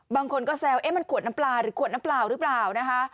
บางคนก็แซวเอ๊ะมันขวดน้ำปลาหรือขวดน้ำเปล่าหรือเปล่านะคะ